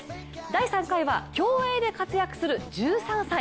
第３回は競泳で活躍する１３歳。